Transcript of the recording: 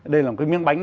đây là một cái miếng bánh